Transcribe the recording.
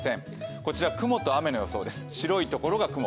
こちら、雲と雨の予想です。